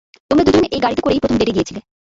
তোমরা দুজন এই গাড়িতে করেই প্রথম ডেটে গিয়েছিলে।